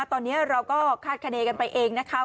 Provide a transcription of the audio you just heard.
ตอนนี้เราก็คาดคณีกันไปเองนะคะ